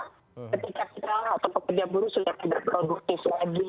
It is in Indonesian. ketika kita atau pekerja buruh sudah tidak produktif lagi